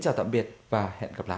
hồn quê hồn nghề vẫn còn đó